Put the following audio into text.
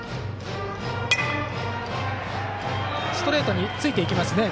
ストレートについていきますね。